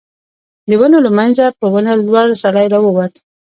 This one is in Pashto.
د ونو له مينځه په ونه لوړ سړی را ووت.